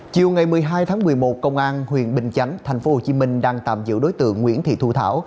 chiều ngày một mươi hai tháng một mươi một công an huyện bình chánh tp hcm đang tạm giữ đối tượng nguyễn thị thu thảo